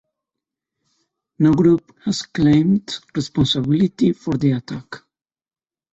No group has claimed responsibility for the attack.